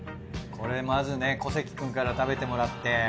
これまずね小関くんから食べてもらって。